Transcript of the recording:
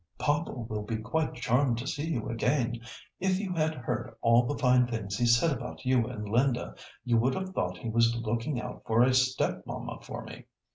"Papa will be quite charmed to see you again. If you had heard all the fine things he said about you and Linda, you would have thought he was looking out for a step mamma for me.